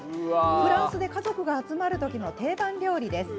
フランスで家族が集まる時の定番料理です。